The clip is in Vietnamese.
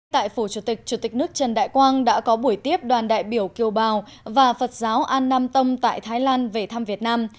tại phủ chủ tịch chủ tịch nước trần đại quang đã có buổi tiếp đoàn đại biểu kiều bào và phật giáo an nam tông tại thái lan về thăm việt nam